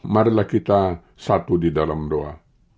marilah kita satu di dalam doa